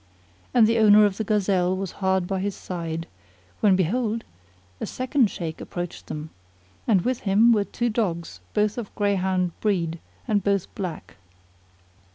And the owner of the gazelle was hard by his side; when behold, a second Shaykh approached them, and with him were two dogs both of greyhound breed and both black.